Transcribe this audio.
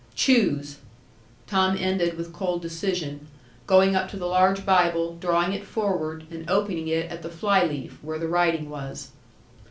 Choose!" Tom ended with cold decision, going up to the large Bible, drawing it forward, and opening it at the fly leaf, where the writing was.